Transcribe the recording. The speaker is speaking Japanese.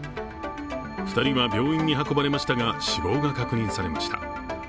２人は病院に運ばれましたが死亡が確認されました。